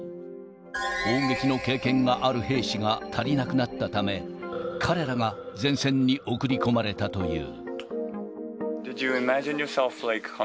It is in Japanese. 砲撃の経験がある兵士が足りなくなったため、彼らが前線に送り込まれたという。